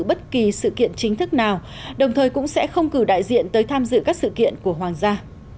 bất kỳ sự kiện chính thức nào đồng thời cũng sẽ không cử đại diện tới tham dự các sự kiện của hoàng gia